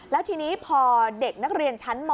แล้วทีนี้พอเด็กนักเรียนชั้นม๔